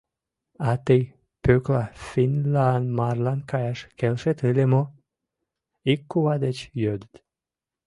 — А тый, Пӧкла, финнлан марлан каяш келшет ыле мо? — ик кува деч йодыт.